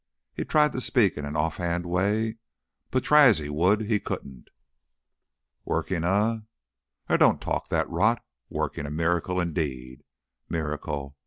He tried to speak in an off hand way, but try as he would he couldn't. "Working a ! 'Ere, don't you talk rot. Working a miracle, indeed! Miracle!